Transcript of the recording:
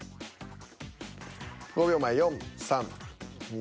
５秒前４３２。